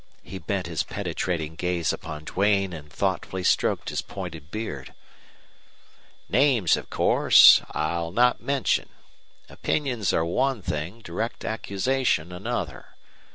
He bent his penetrating gaze upon Duane and thoughtfully stroked his pointed beard. "Names, of course, I'll not mention. Opinions are one thing, direct accusation another.